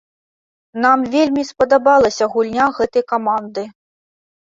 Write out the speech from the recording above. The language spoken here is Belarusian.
Нам вельмі спадабалася гульня гэтай каманды.